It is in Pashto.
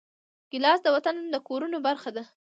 ګیلاس د وطن د کورونو برخه ده.